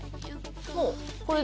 もうこれで。